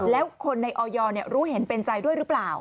แล้วคนในออยรู้เห็นเป็นใจด้วยหรือเปล่า